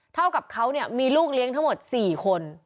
เท่ากับเขามีลูกเลี้ยงทั้งหมด๔คน